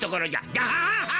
ガハハハ！